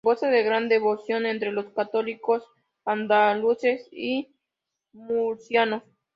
Goza de gran devoción entre los católicos andaluces y murcianos.